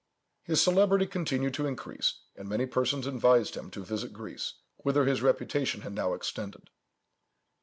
His celebrity continued to increase, and many persons advised him to visit Greece, whither his reputation had now extended.